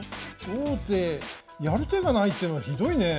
王手やる手がないってのはひどいねえ。